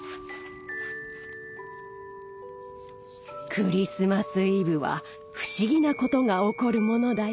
クリスマス・イブは不思議なことが起こるものだよ。